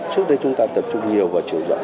trước đây chúng ta tập trung nhiều vào chiều rộng